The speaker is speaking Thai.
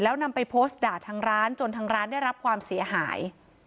แล้วนำไปโพสต์ด่าทางร้านจนทางร้านได้รับความเสียหาย